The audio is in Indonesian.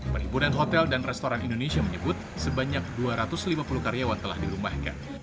perhimpunan hotel dan restoran indonesia menyebut sebanyak dua ratus lima puluh karyawan telah dirumahkan